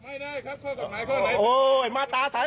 ไม่ได้ครับข้อกฏหมายข้อไหน